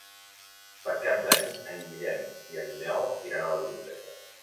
Per Cap d'Any en Guillem i en Nel iran a la biblioteca.